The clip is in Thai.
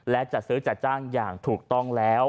และจัดซื้อจัดจ้างอย่างถูกต้องแล้ว